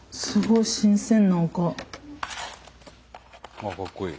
あっかっこいい。